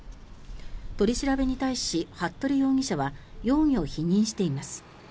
取り調べに対し、服部容疑者は容疑を否認しています。